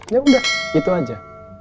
ya udah itu aja